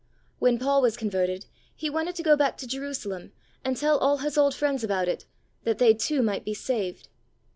When Paul was converted, he wanted to go back to Jerusalem and tell all his old friends about it, that they, too, might be saved.